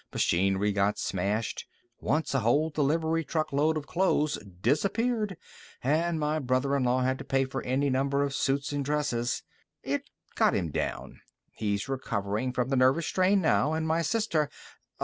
Machinery got smashed. Once a whole delivery truck load of clothes disappeared and my brother in law had to pay for any number of suits and dresses. It got him down. He's recovering from the nervous strain now, and my sister